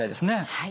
はい。